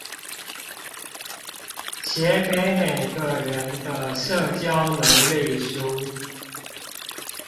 寫給每個人的社交能力書